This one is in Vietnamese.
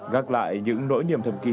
gặp lại những nỗi niềm thầm kín